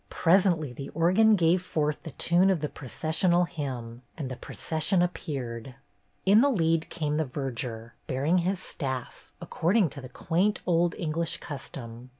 Presently the organ gave forth the tune of the processional hymn, and the procession ap peared. In the lead came the verger, bearing HISTORY CLUB VISITS NEW YORK 253 his staff, according to the quaint old English custom.